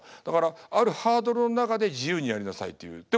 だからあるハードルの中で自由にやりなさいっていう。